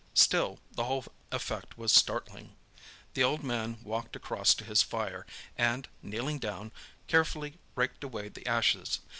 Still, the whole effect was startling. The old man walked across to his fire and, kneeling down, carefully raked away the ashes.